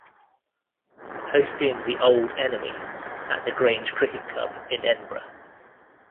Hosting the Auld Enemy, at the Grange Cricket Club in Edinburgh.